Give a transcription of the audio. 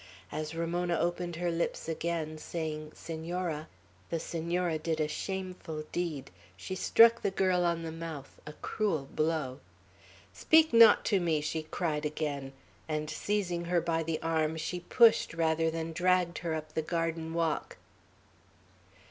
As Ramona opened her lips again, saying, "Senora," the Senora did a shameful deed; she struck the girl on the mouth, a cruel blow. "Speak not to me!" she cried again; and seizing her by the arm, she pushed rather than dragged her up the garden walk.